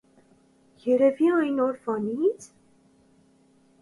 - Երևի ա՞յն օրվանից: